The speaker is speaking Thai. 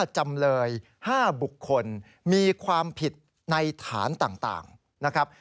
จำเลย๕บุคคลมีความผิดในฐานต่างนะครับ